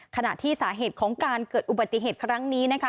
ขณะที่สาเหตุของการเกิดอุบัติเหตุครั้งนี้นะคะ